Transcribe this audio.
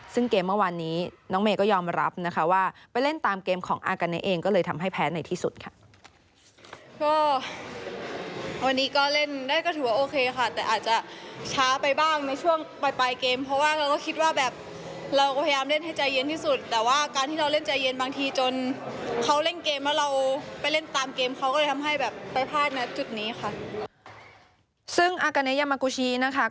ซึ่งเกมเมื่อวานนี้น้องเมย์ก็ยอมรับนะคะว่าไปเล่นตามเกมของอากาเนเองก็เลยทำให้แพ้ในที่สุดค่ะ